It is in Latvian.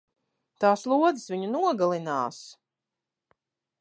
Tās lodes viņu nogalinās!